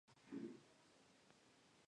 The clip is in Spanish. A base de trucos se liberan y se separan.